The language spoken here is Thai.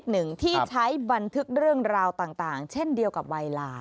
หนึ่งที่ใช้บันทึกเรื่องราวต่างเช่นเดียวกับใบลา